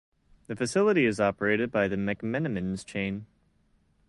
The facility is operated by the McMenamins chain.